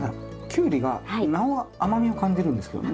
キュウリがなお甘みを感じるんですけどね。